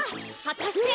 はたして。